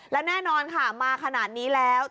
และแน่นอนค่ะมาขนาดนี้แล้ว